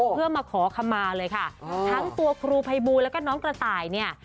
เพื่อมาขอคำมาเลยค่ะทั้งตัวครูภัยบูลแล้วก็น้องกระต่ายเนี่ย